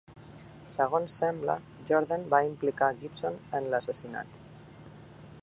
Segons sembla, Jordan va implicar Gibson en l'assassinat.